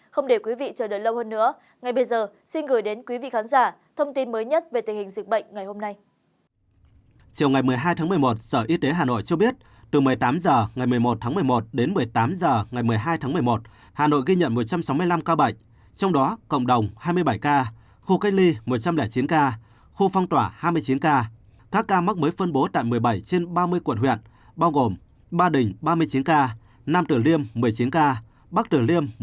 không để quý vị chờ đợi lâu hơn nữa ngày bây giờ xin gửi đến quý vị khán giả thông tin mới nhất về tình hình dịch bệnh ngày hôm nay